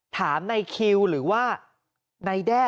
ถามในคิวหรือว่านายแด้